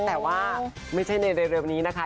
แต่ว่าไม่ใช่ในเร็วนี้นะคะ